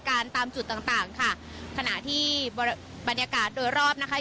ประวัติประชาติก็ไม่รู้กฎหมายว่า